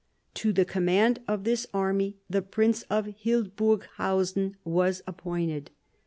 To the command of this army the Prince of Hildburghausen was appointed.